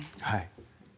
はい。